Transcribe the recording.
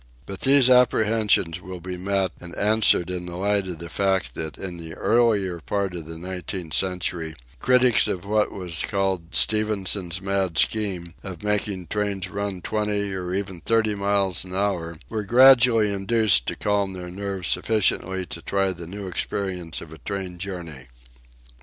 But these apprehensions will be met and answered in the light of the fact that in the earlier part of the nineteenth century critics of what was called "Stephenson's mad scheme" of making trains run twenty or even thirty miles an hour were gradually induced to calm their nerves sufficiently to try the new experience of a train journey!